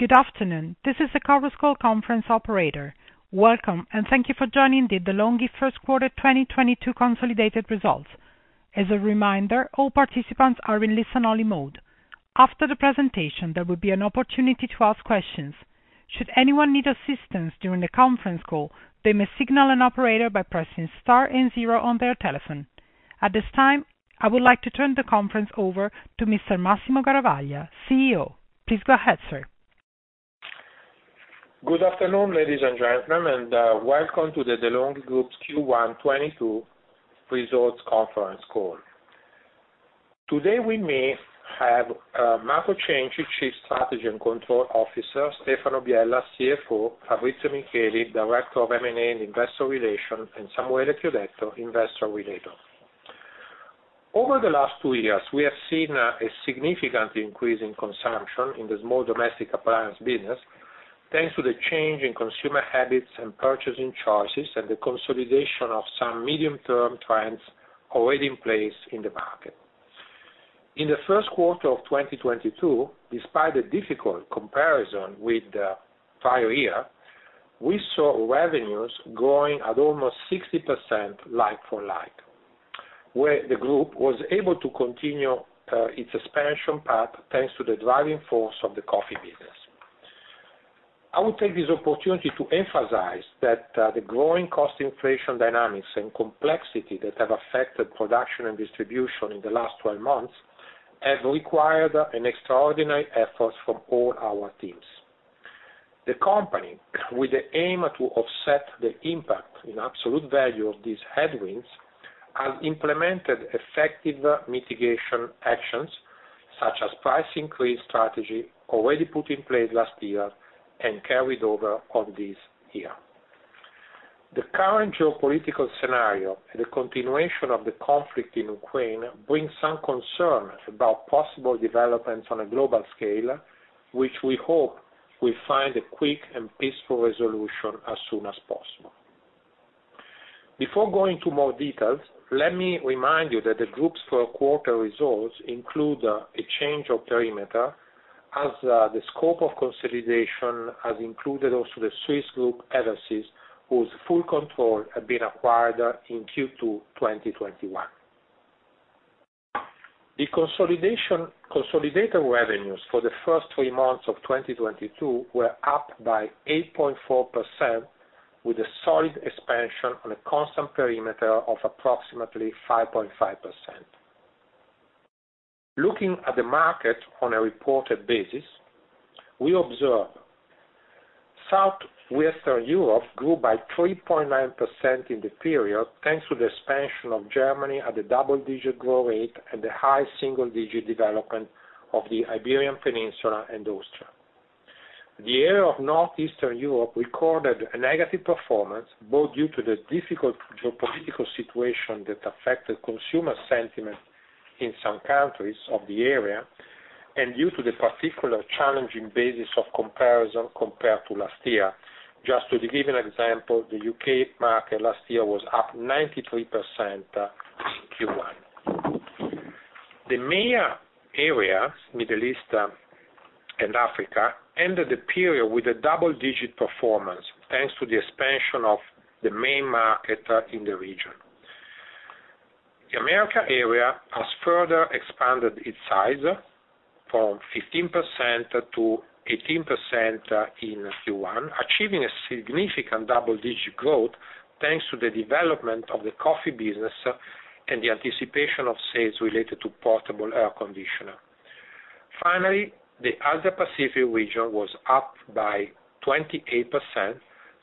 Good afternoon. This is the conference operator. Welcome, and thank you for joining De'Longhi first quarter 2022 consolidated results. As a reminder, all participants are in listen-only mode. After the presentation, there will be an opportunity to ask questions. Should anyone need assistance during the conference call, they may signal an operator by pressing star and zero on their telephone. At this time, I would like to turn the call over to Mr. Massimo Garavaglia, CEO. Please go ahead, sir. Good afternoon, ladies and gentlemen, and welcome to the De'Longhi Group's Q1 2022 results conference call. Today with me I have Marco Cenci, Chief Strategy & Control Officer, Stefano Biella, CFO, Fabrizio Micheli, Director of M&A and Investor Relations, and Samuele Chiodetto, Investor Relations. Over the last two years, we have seen a significant increase in consumption in the small domestic appliance business, thanks to the change in consumer habits and purchasing choices, and the consolidation of some medium-term trends already in place in the market. In the first quarter of 2022, despite a difficult comparison with the prior year, we saw revenues growing at almost 60% like for like, where the group was able to continue its expansion path, thanks to the driving force of the coffee business. I will take this opportunity to emphasize that, the growing cost inflation dynamics and complexity that have affected production and distribution in the last 12 months have required an extraordinary effort from all our teams. The company, with the aim to offset the impact in absolute value of these headwinds, have implemented effective mitigation actions such as price increase strategy already put in place last year and carried over on this year. The current geopolitical scenario, the continuation of the conflict in Ukraine, brings some concern about possible developments on a global scale, which we hope will find a quick and peaceful resolution as soon as possible. Before going to more details, let me remind you that the group's first quarter results include a change of perimeter as the scope of consolidation has included also the Swiss group, Eversys, whose full control had been acquired in Q2 2021. Consolidated revenues for the first three months of 2022 were up by 8.4% with a solid expansion on a constant perimeter of approximately 5.5%. Looking at the market on a reported basis, we observe Southwestern Europe grew by 3.9% in the period, thanks to the expansion of Germany at a double-digit growth rate and the high single digit development of the Iberian Peninsula and Austria. The area of Northeastern Europe recorded a negative performance, both due to the difficult geopolitical situation that affected consumer sentiment in some countries of the area and due to the particular challenging basis of comparison compared to last year. Just to give you an example, the UK market last year was up 93% Q1. The MEA area, Middle East and Africa, ended the period with a double-digit performance, thanks to the expansion of the main market in the region. The America area has further expanded its size from 15% to 18% in Q1, achieving a significant double-digit growth, thanks to the development of the coffee business and the anticipation of sales related to portable air conditioner. Finally, the Asia Pacific region was up by 28%,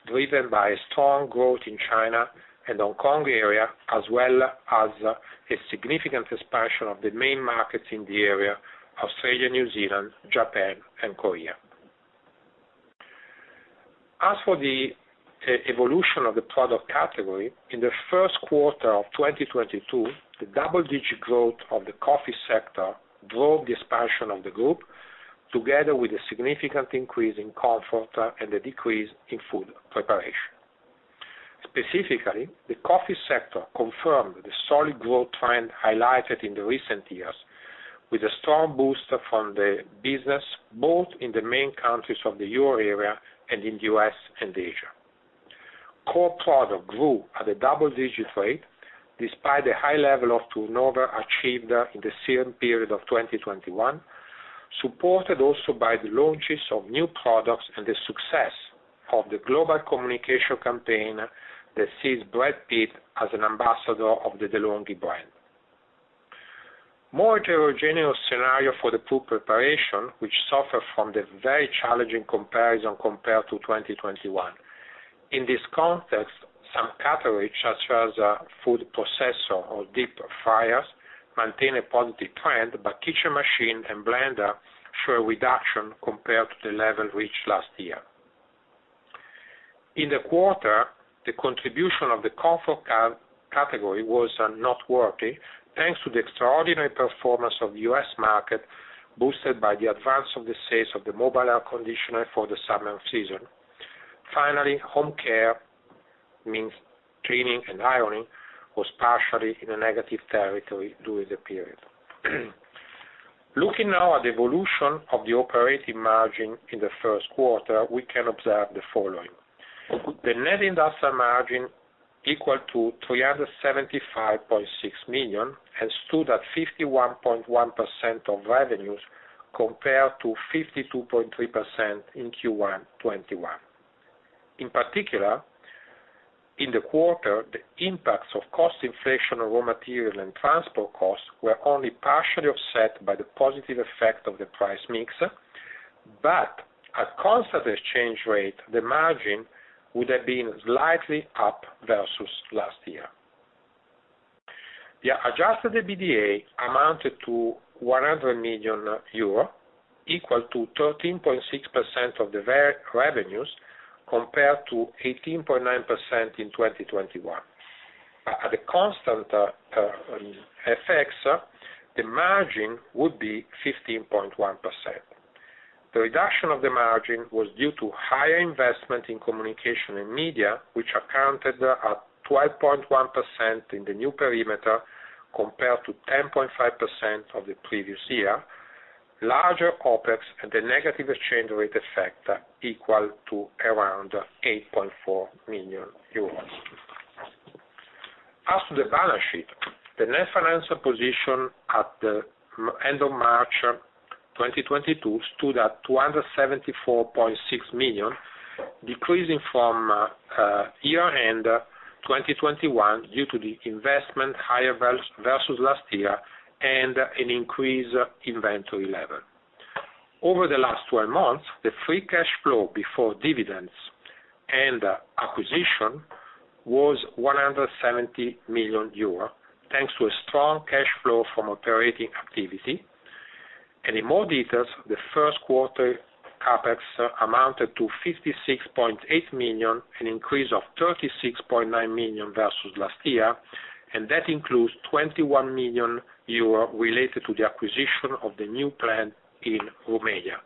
driven by a strong growth in China and Hong Kong area, as well as a significant expansion of the main markets in the area, Australia, New Zealand, Japan and Korea. As for the evolution of the product category, in the first quarter of 2022, the double-digit growth of the coffee sector drove the expansion of the group, together with a significant increase in comfort and a decrease in food preparation. Specifically, the coffee sector confirmed the solid growth trend highlighted in the recent years with a strong boost from the business, both in the main countries of the euro area and in the US and Asia. Core product grew at a double-digit rate despite the high level of turnover achieved in the same period of 2021, supported also by the launches of new products and the success of the global communication campaign that sees Brad Pitt as an ambassador of the De'Longhi brand. More heterogeneous scenario for the food preparation, which suffer from the very challenging comparison compared to 2021. In this context, some categories such as food processor or deep fryers maintain a positive trend, but kitchen machine and blender show a reduction compared to the level reached last year. In the quarter, the contribution of the comfort category was noteworthy, thanks to the extraordinary performance of the US market, boosted by the advance of the sales of the mobile air conditioner for the summer season. Finally, home care means cleaning and ironing was partially in a negative territory during the period. Looking now at the evolution of the operating margin in the first quarter, we can observe the following. The net industrial margin equal to 375.6 million, and stood at 51.1% of revenues compared to 52.3% in Q1 2021. In particular, in the quarter, the impacts of cost inflation of raw material and transport costs were only partially offset by the positive effect of the price mix. At constant exchange rate, the margin would have been slightly up versus last year. The adjusted EBITDA amounted to 100 million euro, equal to 13.6% of the revenues, compared to 18.9% in 2021. At a constant FX, the margin would be 15.1%. The reduction of the margin was due to higher investment in communication and media, which accounted at 12.1% in the new perimeter compared to 10.5% of the previous year, larger OpEx and the negative exchange rate effect equal to around 8.4 million euros. As to the balance sheet, the net financial position at the end of March 2022 stood at 274.6 million, decreasing from year-end 2021 due to higher investment versus last year and an increased inventory level. Over the last 12 months, the free cash flow before dividends and acquisition was 170 million euro, thanks to a strong cash flow from operating activity. In more details, the first quarter CapEx amounted to 56.8 million, an increase of 36.9 million versus last year, and that includes 21 million euro related to the acquisition of the new plant in Romania.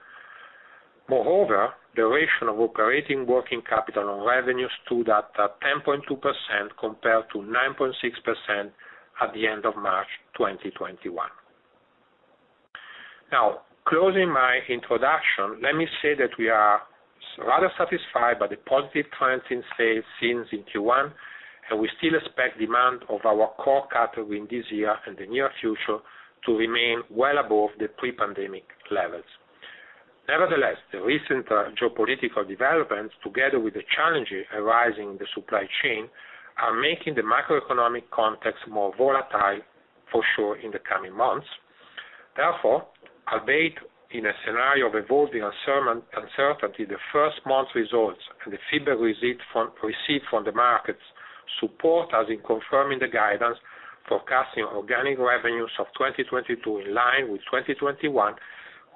Moreover, the ratio of operating working capital on revenues stood at 10.2% compared to 9.6% at the end of March 2021. Now, closing my introduction, let me say that we are rather satisfied by the positive trends in sales in Q1, and we still expect demand of our core category in this year and the near future to remain well above the pre-pandemic levels. Nevertheless, the recent geopolitical developments, together with the challenges arising in the supply chain, are making the macroeconomic context more volatile for sure in the coming months. Therefore, albeit in a scenario of evolving uncertainty, the first month results and the feedback received from the markets support us in confirming the guidance, forecasting organic revenues of 2022 in line with 2021,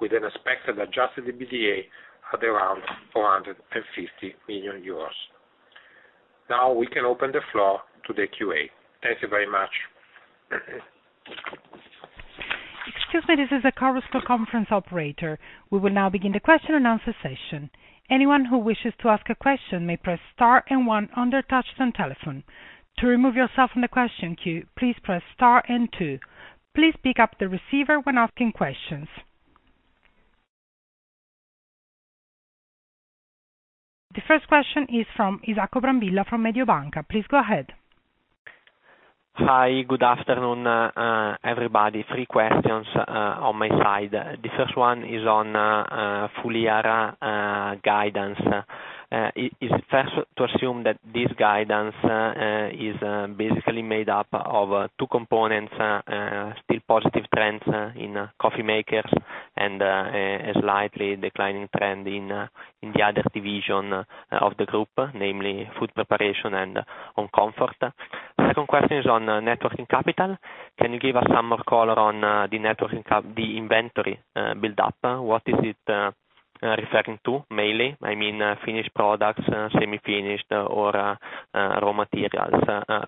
with an expected adjusted EBITDA at around 450 million euros. Now, we can open the floor to the QA. Thank you very much. Excuse me. This is the Chorus Call conference operator. We will now begin the question and answer session. Anyone who wishes to ask a question may press star and one on their touchtone telephone. To remove yourself from the question queue, please press star and two. Please pick up the receiver when asking questions. The first question is from Isacco Brambilla from Mediobanca. Please go ahead. Hi. Good afternoon, everybody. Three questions on my side. The first one is on full year guidance. Is it fair to assume that this guidance is basically made up of two components, still positive trends in coffee makers and a slightly declining trend in the other division of the group, namely food preparation and Home Comfort? Second question is on net working capital. Can you give us some more color on the net working capital, the inventory build up? What is it referring to, mainly? I mean, finished products, semi-finished or raw materials,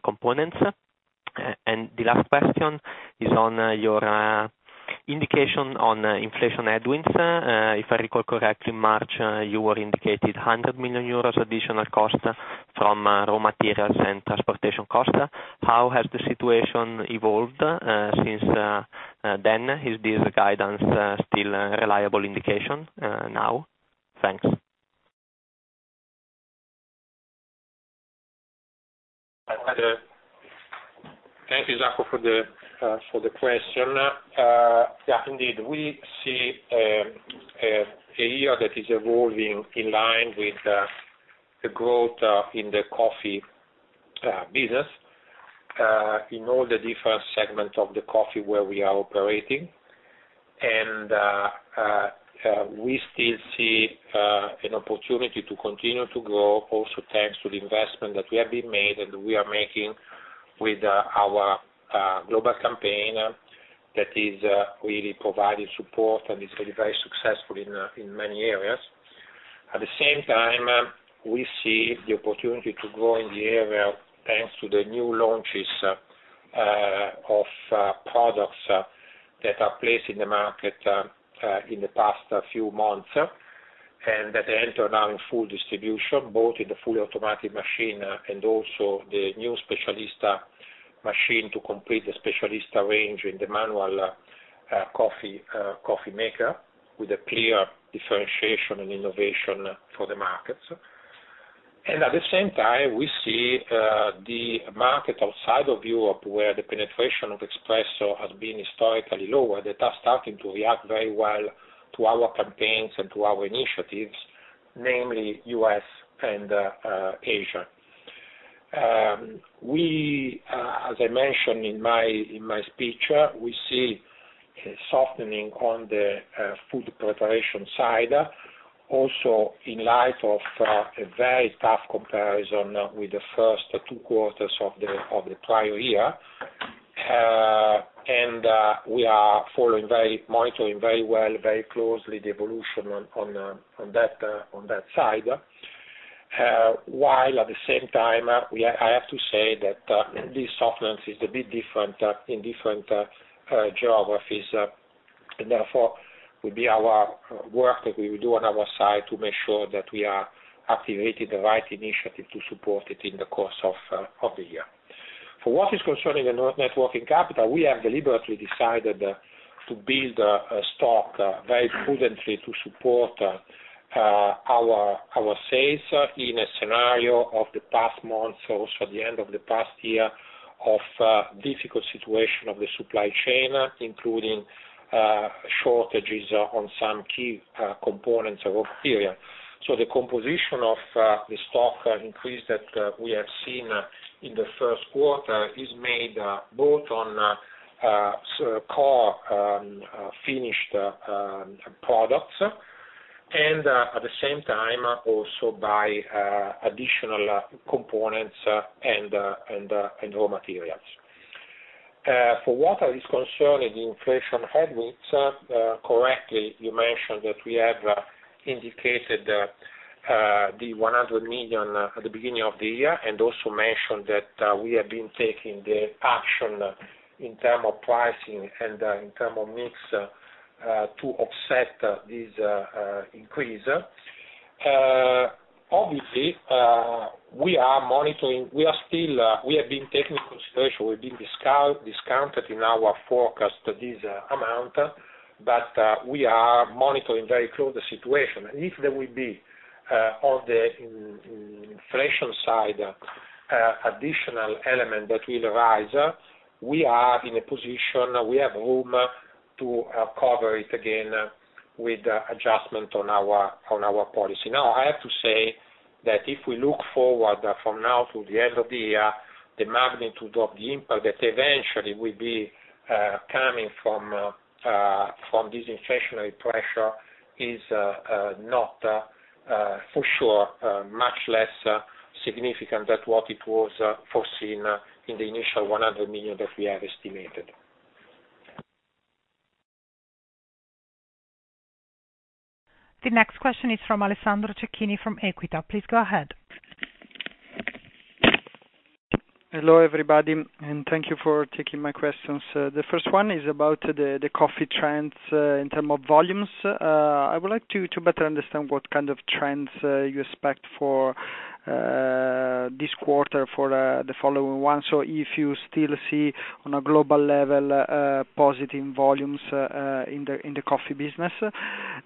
components. The last question is on your indication on inflation headwinds. If I recall correctly, in March, you indicated 100 million euros additional cost from raw materials and transportation costs. How has the situation evolved since then? Is this guidance still a reliable indication now? Thanks. Thank you, Isacco, for the question. Yeah, indeed. We see a year that is evolving in line with the growth in the coffee business in all the different segments of the coffee where we are operating. We still see an opportunity to continue to grow also thanks to the investment that we have been made, and we are making with our global campaign that is really providing support and is really very successful in many areas. At the same time, we see the opportunity to grow in the area, thanks to the new launches of products that are placed in the market in the past few months and that enter now in full distribution, both in the fully automatic machine and also the new La Specialista machine to complete the La Specialista range in the manual coffee maker, with a clear differentiation and innovation for the markets. At the same time, we see the market outside of Europe, where the penetration of espresso has been historically lower, that are starting to react very well to our campaigns and to our initiatives, namely U.S. and Asia. As I mentioned in my speech, we see a softening on the food preparation side, also in light of a very tough comparison with the first two quarters of the prior year. We are monitoring very well, very closely the evolution on that side. While at the same time, I have to say that this softness is a bit different in different geographies, and therefore will be our work that we will do on our side to make sure that we are activating the right initiative to support it in the course of the year. For what is concerning the net working capital, we have deliberately decided to build a stock very prudently to support our sales in a scenario of the past months, also the end of the past year, of difficult situation of the supply chain, including shortages on some key components of raw material. The composition of the stock increase that we have seen in the first quarter is made both on core finished products, and at the same time, also by additional components and raw materials. For what is concerning the inflation headwinds, correctly, you mentioned that we have indicated the 100 million at the beginning of the year, and also mentioned that we have been taking the action in term of pricing and in term of mix to offset these increase. Obviously, we are monitoring. We are still, we have been taking consideration. We've been discounted in our forecast this amount, but we are monitoring very close the situation. If there will be on the inflation side additional element that will rise, we are in a position, we have room to cover it again with adjustment on our policy. Now, I have to say that if we look forward from now to the end of the year, the magnitude of the impact that eventually will be coming from this inflationary pressure is not for sure much less significant than what it was foreseen in the initial 100 million that we have estimated. The next question is from Alessandro Cecchini from Equita. Please go ahead. Hello, everybody, and thank you for taking my questions. The first one is about the coffee trends in terms of volumes. I would like to better understand what kind of trends you expect for this quarter for the following one. If you still see on a global level positive volumes in the coffee business.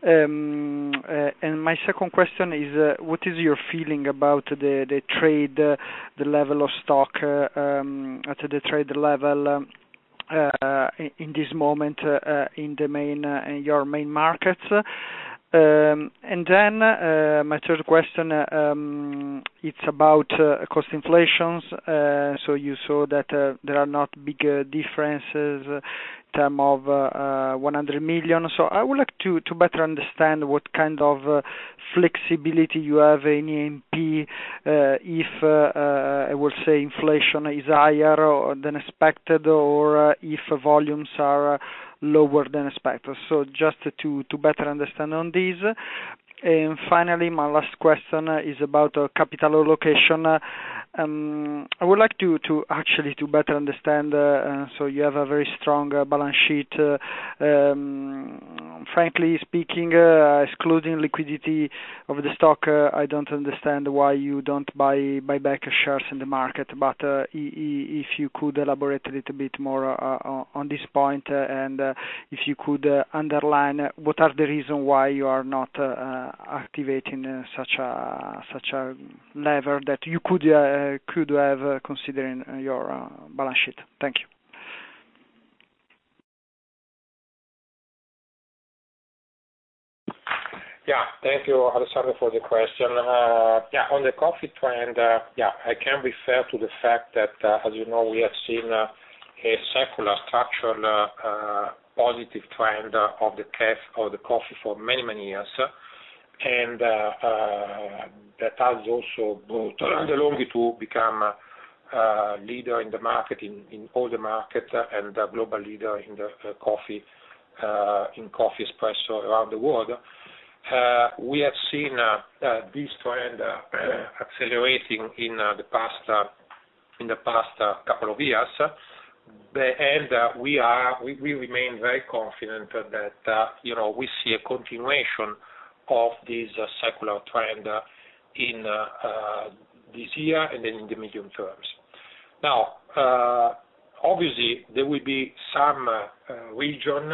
My second question is what is your feeling about the trade level of stock at the trade level in this moment in the main your main markets? My third question it's about cost inflation. You saw that there are not big differences in terms of 100 million. I would like to better understand what kind of flexibility you have in A&P, if I will say inflation is higher than expected or if volumes are lower than expected. Just to better understand on this. Finally, my last question is about capital allocation. I would like to actually better understand. You have a very strong balance sheet. Frankly speaking, excluding liquidity of the stock, I don't understand why you don't buy back shares in the market. If you could elaborate a little bit more on this point, and if you could underline what are the reason why you are not activating such a lever that you could have, considering your balance sheet. Thank you. Yeah. Thank you, Alessandro, for the question. On the coffee trend, I can refer to the fact that, as you know, we have seen a secular structural positive trend of the coffee for many, many years. That has also brought De'Longhi to become leader in the market, in all the markets, and a global leader in the coffee, in coffee espresso around the world. We have seen this trend accelerating in the past couple of years. We remain very confident that, you know, we see a continuation of this secular trend in this year and then in the medium term. Now, obviously, there will be some regions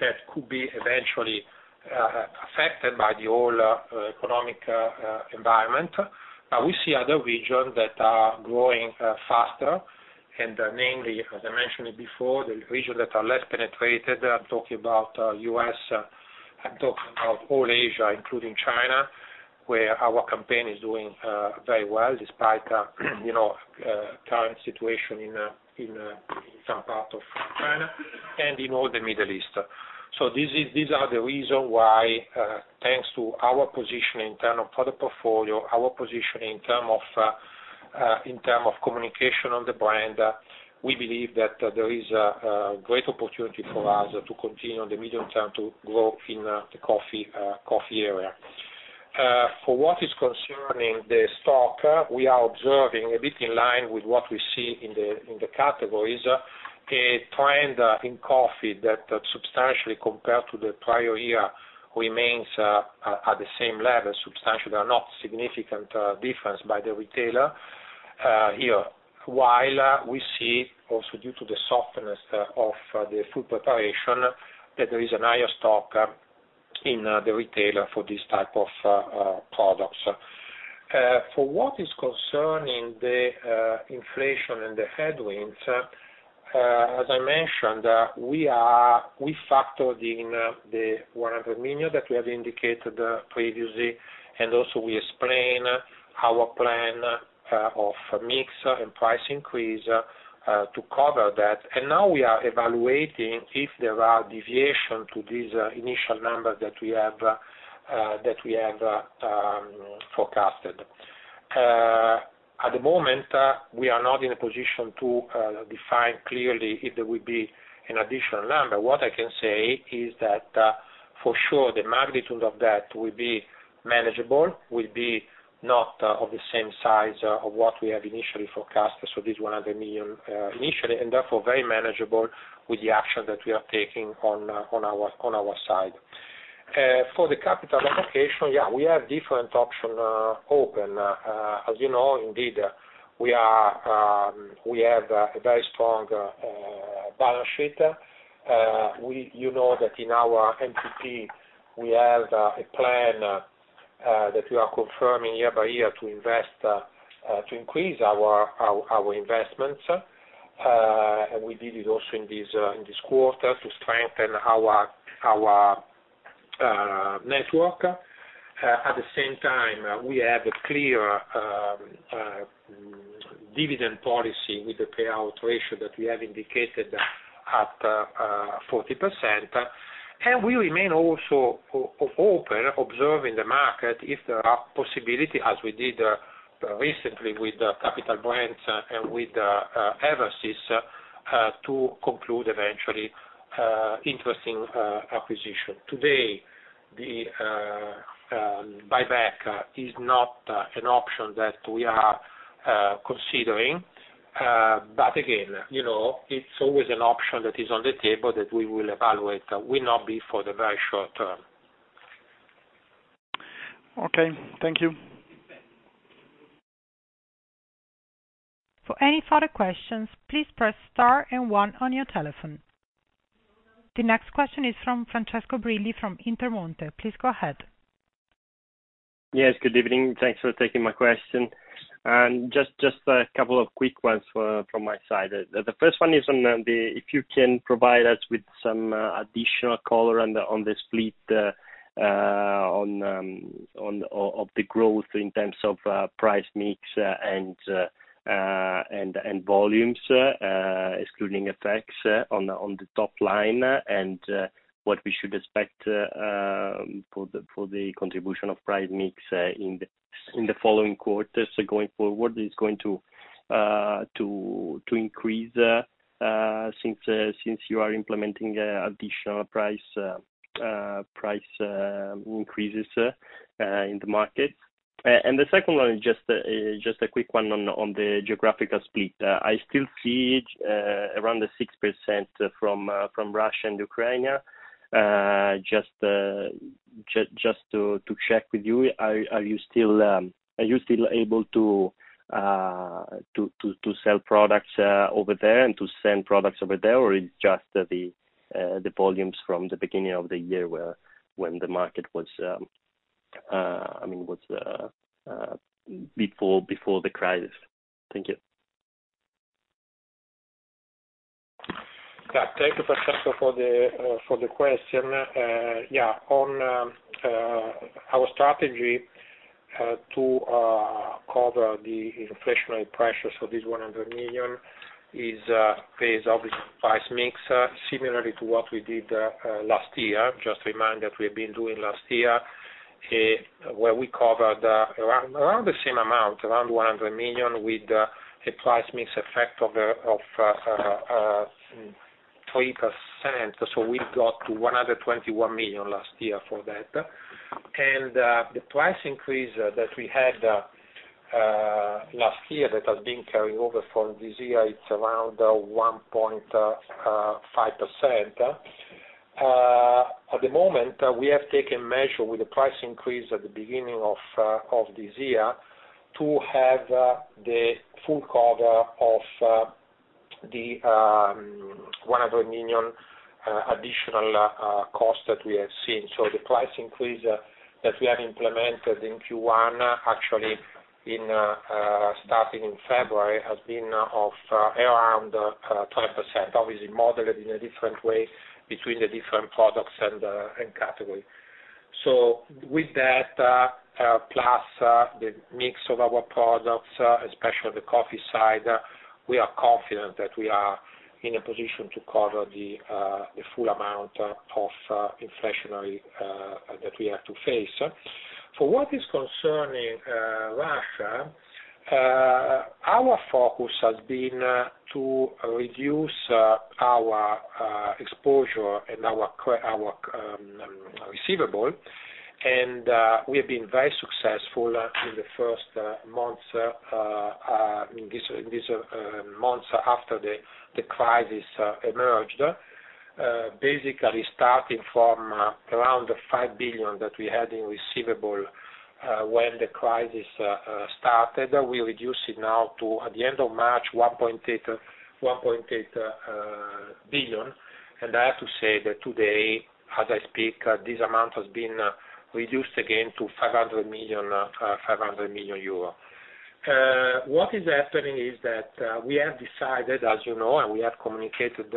that could be eventually affected by the whole economic environment. We see other regions that are growing faster, and namely, as I mentioned before, the regions that are less penetrated. I'm talking about US, I'm talking about all Asia, including China, where our campaign is doing very well despite you know current situation in some parts of China and in all the Middle East. These are the reasons why, thanks to our position in terms of product portfolio, our position in terms of communication on the brand, we believe that there is a great opportunity for us to continue on the medium term to grow in the coffee area. For what is concerning the stock, we are observing a bit in line with what we see in the categories, a trend in coffee that substantially compared to the prior year remains at the same level, substantially or not significant difference by the retailer here. While we see also due to the softness of the food preparation that there is a higher stock in the retailer for this type of products. For what is concerning the inflation and the headwinds, as I mentioned, we factored in the 100 million that we have indicated previously, and also we explain our plan of mix and price increase to cover that. Now we are evaluating if there are deviation to these initial numbers that we have forecasted. At the moment, we are not in a position to define clearly if there will be an additional number. What I can say is that, for sure, the magnitude of that will be manageable, will be not, of the same size, of what we have initially forecasted. This 100 million, initially, and therefore very manageable with the action that we are taking on our side. For the capital allocation, yeah, we have different option, open. As you know, indeed, we have a very strong balance sheet. We... You know that in our MTP, we have a plan that we are confirming year by year to invest to increase our investments. We did it also in this quarter to strengthen our network. At the same time, we have a clear dividend policy with the payout ratio that we have indicated at 40%. We remain also open observing the market if there are possibility, as we did recently with Capital Brands and with Eversys to conclude eventually interesting acquisition. Today, the buyback is not an option that we are considering. Again, you know, it's always an option that is on the table that we will evaluate. Will not be for the very short term. Okay. Thank you. For any further questions, please press star and one on your telephone. The next question is from Francesco Brilli from Intermonte. Please go ahead. Yes, good evening. Thanks for taking my question. Just a couple of quick ones from my side. If you can provide us with some additional color on the split of the growth in terms of price mix and volumes, excluding effects on the top line, and what we should expect for the contribution of price mix in the following quarters going forward. Is it going to increase since you are implementing additional price increases in the market? The second one is just a quick one on the geographical split. I still see around 6% from Russia and Ukraine. Just to check with you, are you still able to sell products over there and to send products over there, or it's just the volumes from the beginning of the year when the market was, I mean, before the crisis? Thank you. Yeah. Thank you, Francesco, for the question. Yeah. On our strategy to cover the inflationary pressures for this 100 million is obviously price mix, similarly to what we did last year. Just to remind that we did last year, where we covered around the same amount, around 100 million, with a price mix effect of 3%. We got to 121 million last year for that. The price increase that we had last year that has been carrying over into this year, it's around 1.5%. At the moment, we have taken measures with the price increase at the beginning of this year to have the full cover of the 100 million additional cost that we have seen. The price increase that we have implemented in Q1, actually starting in February, has been of around 12%, obviously modeled in a different way between the different products and category. With that plus the mix of our products, especially the coffee side, we are confident that we are in a position to cover the full amount of inflation that we have to face. For what concerns Russia, our focus has been to reduce our exposure and our receivable. We have been very successful in the first months after the crisis emerged. Basically, starting from around the 5 billion that we had in receivables when the crisis started, we reduced it now to, at the end of March, 1.8 billion. I have to say that today, as I speak, this amount has been reduced again to 500 million euro. What is happening is that we have decided, as you know, and we have communicated,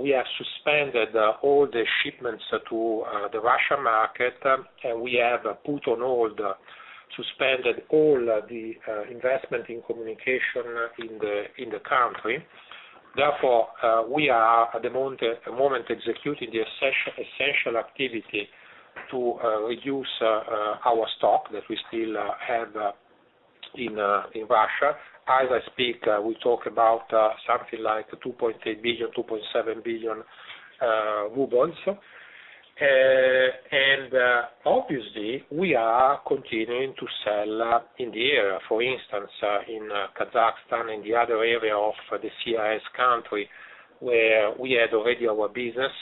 we have suspended all the shipments to the Russia market, and we have put on hold, suspended all the investment in communication in the country. Therefore, we are at the moment executing the essential activity to reduce our stock that we still have in Russia. As I speak, we talk about something like 2.8 billion, 2.7 billion rubles. Obviously, we are continuing to sell in the area. For instance, in Kazakhstan and the other area of the CIS country where we had already our business,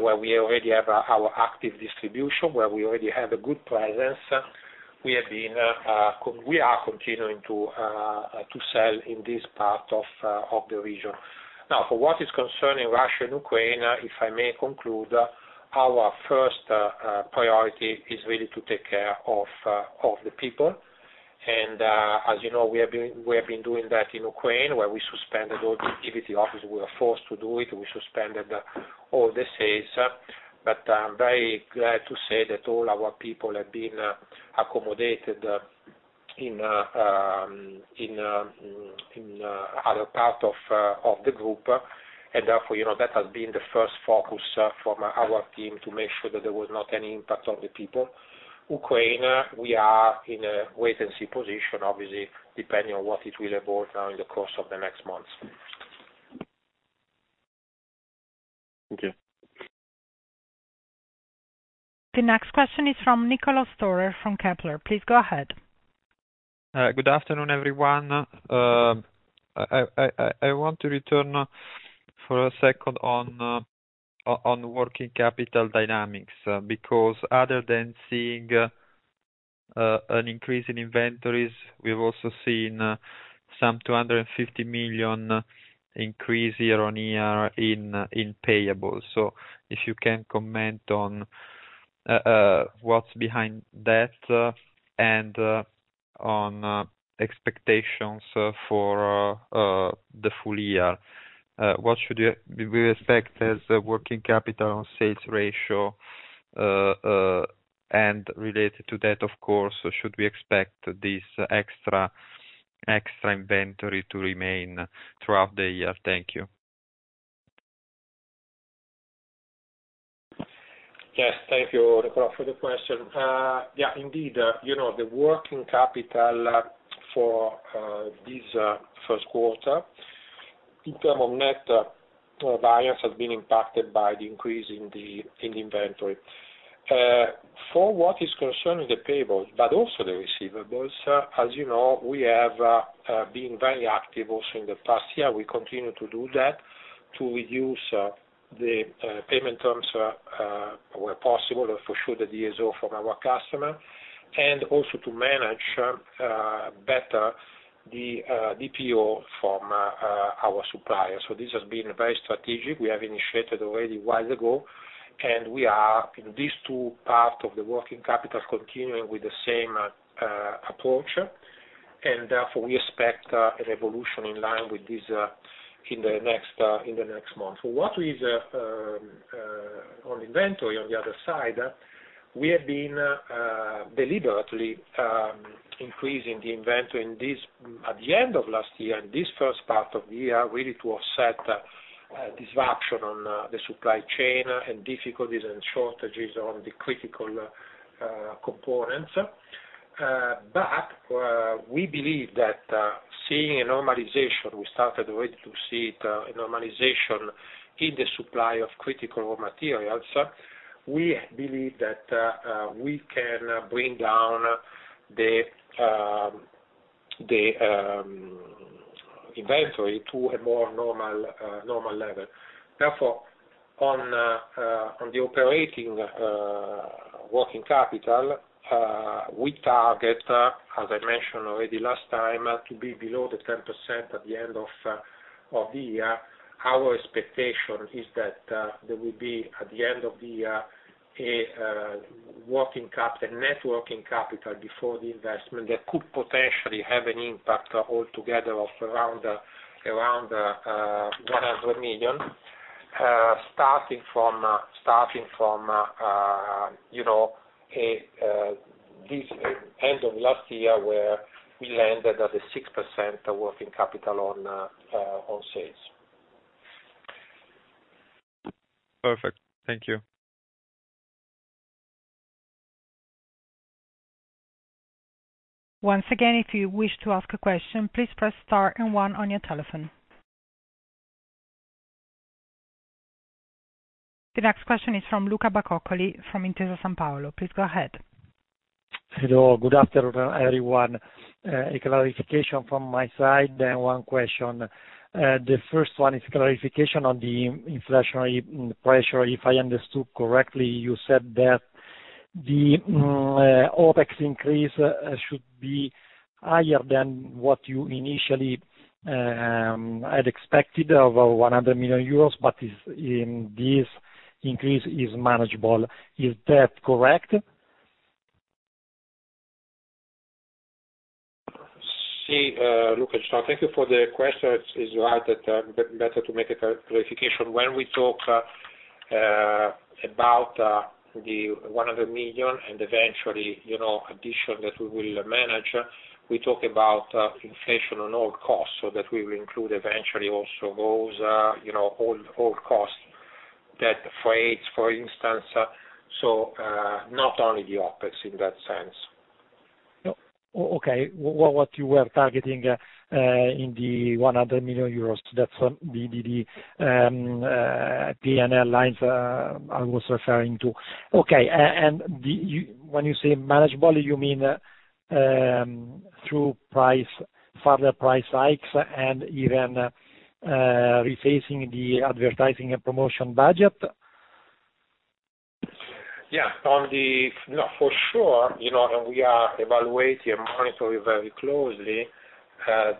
where we already have our active distribution, where we already have a good presence, we are continuing to sell in this part of the region. Now, for what is concerning Russia and Ukraine, if I may conclude, our first priority is really to take care of the people. As you know, we have been doing that in Ukraine, where we suspended all the activity. Obviously, we were forced to do it. We suspended all the sales. I'm very glad to say that all our people have been accommodated in other parts of the group. Therefore, you know, that has been the first focus from our team to make sure that there was not any impact on the people. Ukraine, we are in a wait-and-see position, obviously, depending on what it will evolve now in the course of the next months. Thank you. The next question is from Niccolò Storer from Kepler. Please go ahead. Good afternoon, everyone. I want to return for a second on working capital dynamics, because other than seeing an increase in inventories, we've also seen some 250 million increase year-on-year in payables. If you can comment on what's behind that and on expectations for the full year. What should we expect as a working capital on sales ratio? Related to that, of course, should we expect this extra inventory to remain throughout the year? Thank you. Yes. Thank you, Niccolò Storer, for the question. Yeah, indeed, you know, the working capital for this first quarter in term of net basis has been impacted by the increase in the inventory. For what is concerning the payables, but also the receivables, as you know, we have been very active also in the past year. We continue to do that to reduce the payment terms where possible, for sure the DSO from our customer, and also to manage better the DPO from our suppliers. This has been very strategic. We have initiated already a while ago, and we are, these two parts of the working capital continuing with the same approach. Therefore, we expect an evolution in line with this in the next in the next month. What is on inventory on the other side, we have been deliberately increasing the inventory in this, at the end of last year and this first part of the year, really to offset disruption on the supply chain and difficulties and shortages on the critical components. We believe that, seeing a normalization, we started already to see the normalization in the supply of critical materials. We believe that we can bring down the inventory to a more normal level. Therefore, on the operating working capital, we target, as I mentioned already last time, to be below 10% at the end of the year. Our expectation is that there will be, at the end of the year, a net working capital before the investment that could potentially have an impact altogether of around EUR 100 million, starting from you know at the end of last year where we landed at a 6% working capital on sales. Perfect. Thank you. Once again, if you wish to ask a question, please press star and one on your telephone. The next question is from Luca Bacoccoli from Intesa Sanpaolo. Please go ahead. Hello. Good afternoon, everyone. A clarification from my side, then one question. The first one is clarification on the inflationary pressure. If I understood correctly, you said that the OpEx increase should be higher than what you initially had expected, over 100 million euros, but this increase is manageable. Is that correct? Yes, Luca. Thank you for the question. It's right that it's better to make a clarification. When we talk about the 100 million and eventual addition that we will manage, we talk about inflation on all costs, so that we will include eventually also those all costs, the freight, for instance. Not only the OpEx in that sense. Okay. What you were targeting in the 100 million euros, that's the P&L lines I was referring to. Okay. When you say manageable, you mean through pricing, further price hikes and even rephasing the advertising and promotion budget? Yeah. For sure, you know, we are evaluating and monitoring very closely.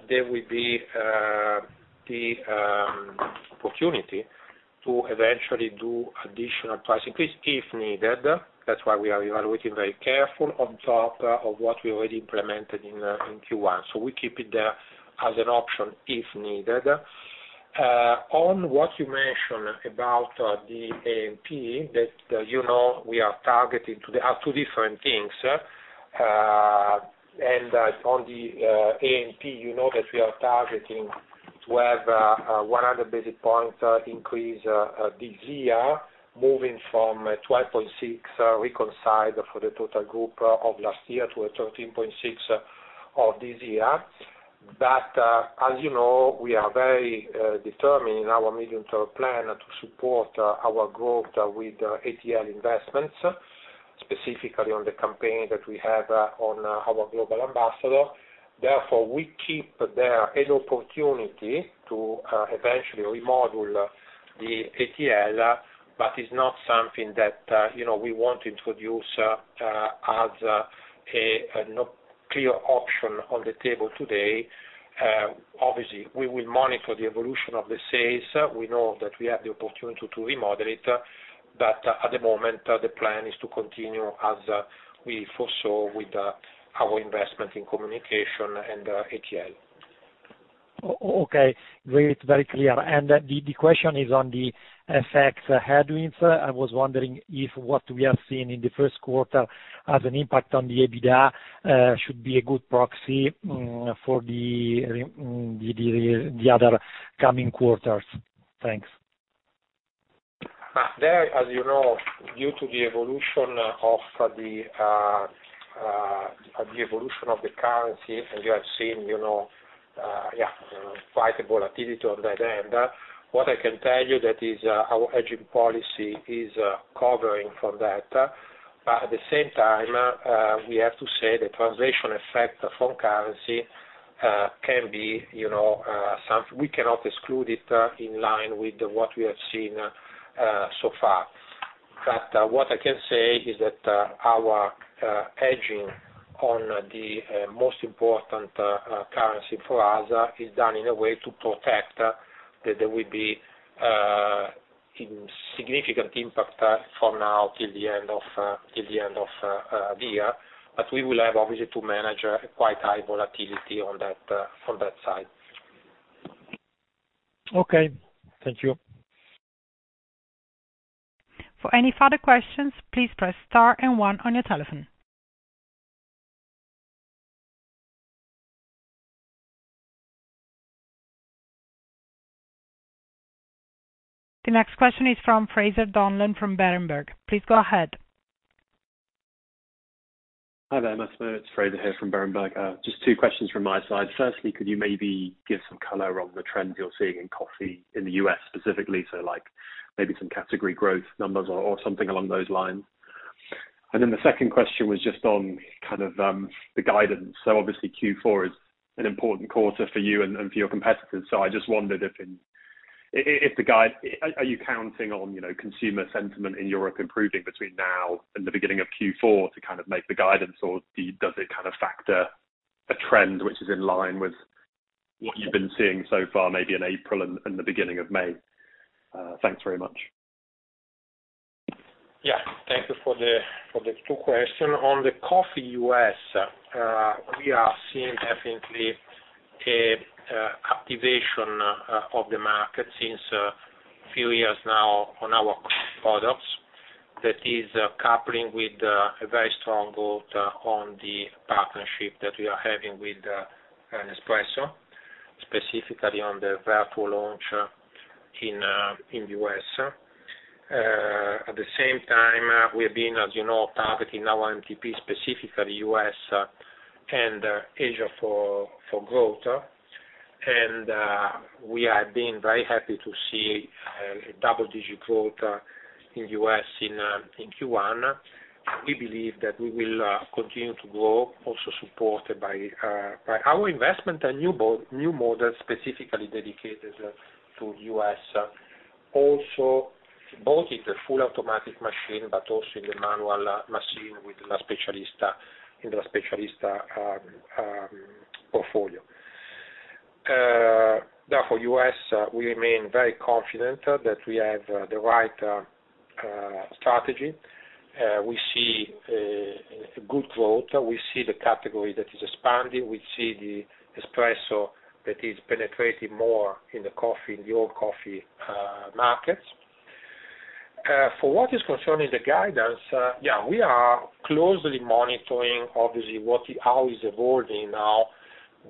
There will be the opportunity to eventually do additional price increase if needed. That's why we are evaluating very carefully on top of what we already implemented in Q1. We keep it there as an option if needed. On what you mentioned about the A&P that, you know, we are targeting are two different things. On the A&P, you know that we are targeting to have a 100 basis points increase this year, moving from 12.6%, as you recall, for the total group of last year to a 13.6% of this year. As you know, we are very determined in our medium-term plan to support our growth with ATL investments, specifically on the campaign that we have on our global ambassador. Therefore, we keep there an opportunity to eventually remodel the ATL, but it's not something that, you know, we want to introduce as a clear option on the table today. Obviously, we will monitor the evolution of the sales. We know that we have the opportunity to remodel it, but at the moment, the plan is to continue as we foresaw with our investment in communication and ATL. Okay. Great. Very clear. The question is on the FX headwinds. I was wondering if what we have seen in the first quarter has an impact on the EBITDA. It should be a good proxy for the other coming quarters. Thanks. There, as you know, due to the evolution of the currency, and you have seen, you know, yeah, quite a volatility on that end. What I can tell you that is, our hedging policy is covering from that. At the same time, we have to say the translation effect from currency can be, you know. We cannot exclude it, in line with what we have seen so far. What I can say is that, our hedging on the most important currency for us is done in a way to protect that there will be no significant impact from now till the end of the year. We will have obviously to manage quite high volatility on that side. Okay. Thank you. For any further questions, please press star and one on your telephone. The next question is from Fraser Donlon from Berenberg. Please go ahead. Hi there, Massimo. It's Fraser here from Berenberg. Just two questions from my side. Firstly, could you maybe give some color on the trends you're seeing in coffee in the U.S. specifically? Like maybe some category growth numbers or something along those lines. The second question was just on kind of the guidance. Obviously Q4 is an important quarter for you and for your competitors. I just wondered if you are counting on, you know, consumer sentiment in Europe improving between now and the beginning of Q4 to kind of make the guidance? Or does it kind of factor a trend which is in line with what you've been seeing so far, maybe in April and the beginning of May? Thanks very much. Yeah. Thank you for the two questions. On the coffee US, we are seeing definitely a activation of the market since a few years now on our products. That is coupling with a very strong growth on the partnership that we are having with Nespresso, specifically on the Vertuo launch in US. At the same time, we have been, as you know, targeting our MTP, specifically US, and Asia for growth. We are being very happy to see a double-digit growth in US in Q1. We believe that we will continue to grow, also supported by our investment and new models specifically dedicated to US. Also, both in the full automatic machine, but also in the manual machine with La Specialista, in the La Specialista portfolio. Therefore, US, we remain very confident that we have the right strategy. We see good growth. We see the category that is expanding. We see the espresso that is penetrating more in the coffee, in the whole coffee markets. For what is concerning the guidance, yeah, we are closely monitoring obviously how is evolving now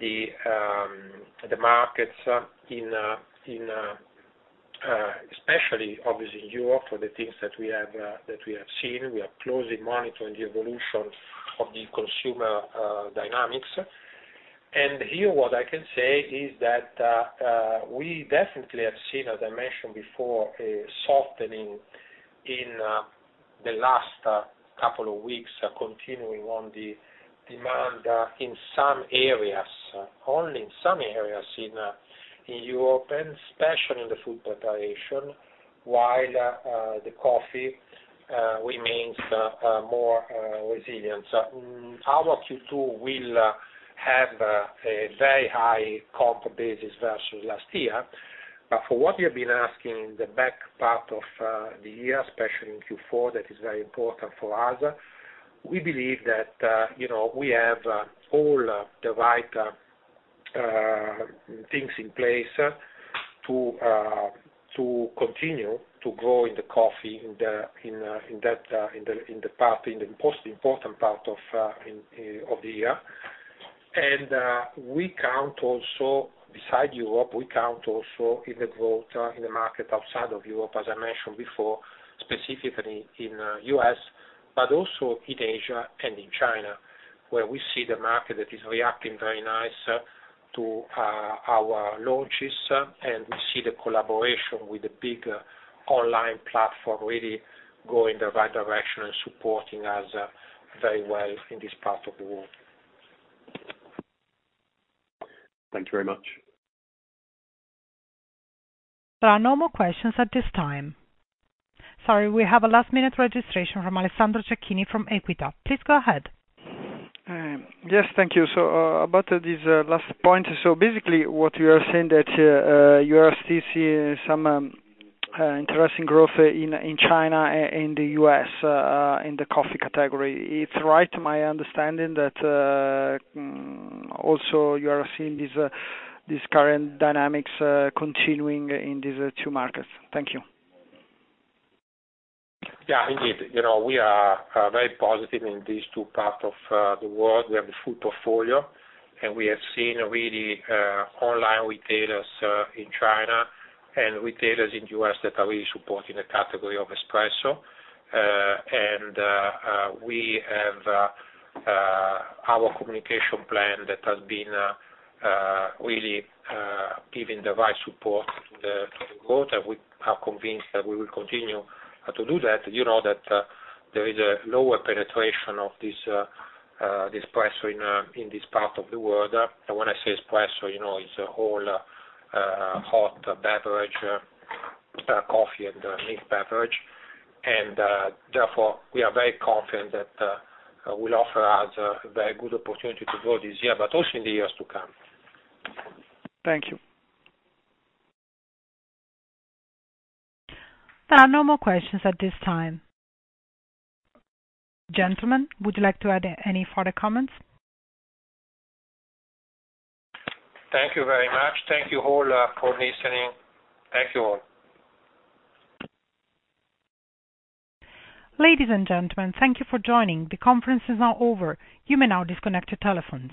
the markets in, especially obviously Europe for the things that we have seen. We are closely monitoring the evolution of the consumer dynamics. Here what I can say is that we definitely have seen, as I mentioned before, a softening in the last couple of weeks continuing on the demand in some areas, only in some areas in Europe, and especially in the food preparation, while the coffee remains more resilient. Our Q2 will have a very high comp basis versus last year. For what you have been asking in the back part of the year, especially in Q4, that is very important for us. We believe that you know we have all the right things in place to continue to grow in the coffee in the most important part of the year. We count also, besides Europe, we count also in the growth in the market outside of Europe, as I mentioned before, specifically in U.S., but also in Asia and in China, where we see the market that is reacting very nice to our launches. We see the collaboration with the big online platform really going the right direction and supporting us very well in this part of the world. Thank you very much. There are no more questions at this time. Sorry, we have a last-minute registration from Alessandro Cecchini from Equita. Please go ahead. Yes. Thank you. About this last point. Basically what you are saying that you are still seeing some interesting growth in China and the US in the coffee category. Is it right my understanding that also you are seeing these current dynamics continuing in these two markets? Thank you. Yeah. Indeed. You know, we are very positive in these two parts of the world. We have the full portfolio, and we have seen really online retailers in China and retailers in U.S. that are really supporting the category of espresso. We have our communication plan that has been really giving the right support to the growth. We are convinced that we will continue to do that. You know that there is a lower penetration of this espresso in this part of the world. When I say espresso, you know, it's a whole hot beverage coffee and mixed beverage. Therefore, we are very confident that will offer us a very good opportunity to grow this year, but also in the years to come. Thank you. There are no more questions at this time. Gentlemen, would you like to add any further comments? Thank you very much. Thank you all for listening. Thank you all. Ladies and gentlemen, thank you for joining. The conference is now over. You may now disconnect your telephones.